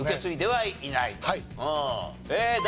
はい。